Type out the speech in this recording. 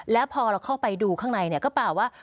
แล้วพอเราเข้าไปดูข้างในก็เปล่าว่า